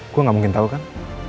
gue gak mungkin tahu kan